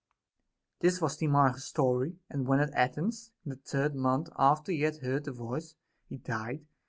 This was Timarchus's story; and when at Athens, in the third month after he had heard the voice, he died.